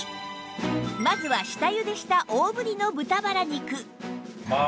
まずは下ゆでした大ぶりの豚バラ肉